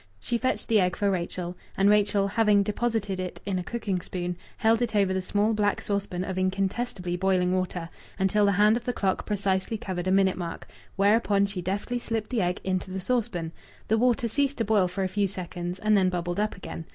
She fetched the egg for Rachel, and Rachel, having deposited it in a cooking spoon, held it over the small black saucepan of incontestably boiling water until the hand of the clock precisely covered a minute mark, whereupon she deftly slipped the egg into the saucepan; the water ceased to boil for a few seconds and then bubbled up again.